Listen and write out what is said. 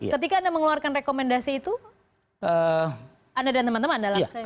ketika anda mengeluarkan rekomendasi itu anda dan teman teman anda langsung menarik itu